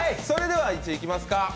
それでは１位いきますか。